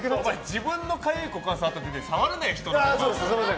自分のかゆい股間触った手で触るなよ、人の股間。